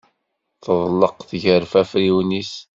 Teḍleq tgerfa afriwen-is.